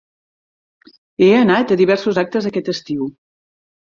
He anat a diversos actes aquest estiu.